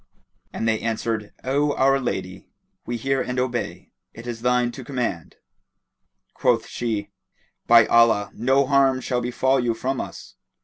And they answered, "O our lady, we hear and obey: it is thine to command." Quoth she, "By Allah, no harm shall befall you from us!"